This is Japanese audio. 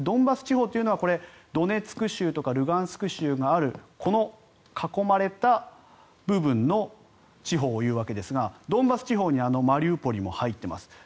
ドンバス地方はドネツク州とかルガンスク州のあるこの囲まれた部分の地方をいうわけですがドンバス地方にマリウポリも入っています。